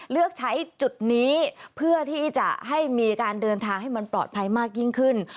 เลือกใช้จุดนี้เพื่อที่จะให้มีการเดินทางให้มันปลอดภัยมากยิ่งขึ้น